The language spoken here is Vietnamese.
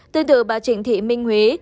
tương tự bà trịnh thị minh huế